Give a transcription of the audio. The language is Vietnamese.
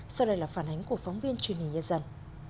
sau đây là phản ánh của phóng viên truyền hình nhân dân